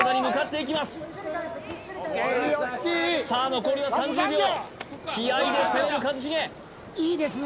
残りは３０秒気合で攻める一茂いいですね